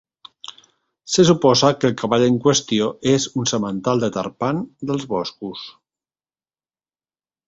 Se suposa que el cavall en qüestió és un semental de tarpan dels boscos.